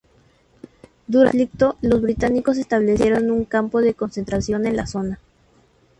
Durante el conflicto, los británicos establecieron un campo de concentración en la zona.